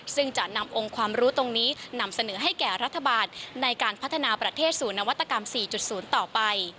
ซึ่งจะนำองค์ความรู้ตรงนี้นำเสนอให้แก่รัฐบาลในการพัฒนาประเทศสู่นวัตกรรม๔๐ต่อไป